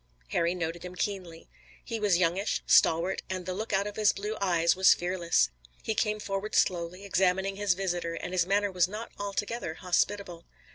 Harry noted him keenly. He was youngish, stalwart and the look out of his blue eyes was fearless. He came forward slowly, examining his visitor, and his manner was not altogether hospitable.